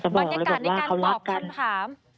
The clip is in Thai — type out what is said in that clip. บรรยากาศในการตอบคำถาม